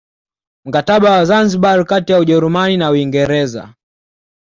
Mkataba wa Zanzibar kati ya Ujerumani na Uingereza